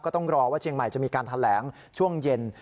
ต้องรอว่าเชียงใหม่จะมีการแถลงช่วงเย็น